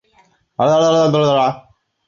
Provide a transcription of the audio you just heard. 珞珈碘泡虫为碘泡科碘泡虫属的动物。